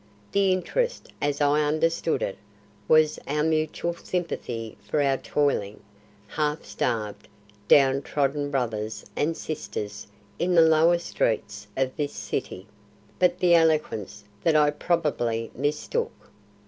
The interest, as I understood it, was our mutual sympathy for our toiling, half starved, down trodden brothers and sisters in the lower streets of this city; but the eloquence that I probably mistook.